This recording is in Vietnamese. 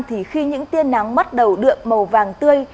thì khi những tiên nắng bắt đầu đượm màu vàng tươi